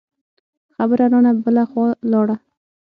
خبره رانه بله خوا لاړه.